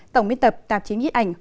tổng biên tập tạp chiến nhiếp ảnh